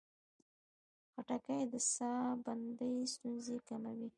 خټکی د ساه بندي ستونزې کموي.